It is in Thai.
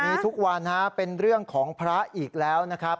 มีทุกวันฮะเป็นเรื่องของพระอีกแล้วนะครับ